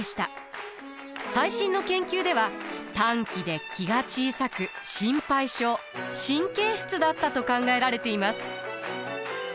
最新の研究では短気で気が小さく心配性神経質だったと考えられています。